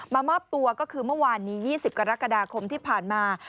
มามอบตัวก็คือเมื่อวานนี้๒๐กรกฎาคมที่ผ่านมา